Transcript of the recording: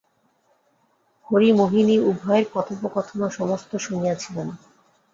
হরিমোহিনী উভয়ের কথোপকথন সমস্ত শুনিয়াছিলেন।